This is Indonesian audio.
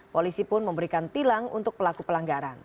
polisi pun memberikan tilang untuk pelaku pelanggaran